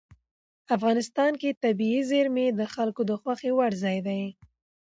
افغانستان کې طبیعي زیرمې د خلکو د خوښې وړ ځای دی.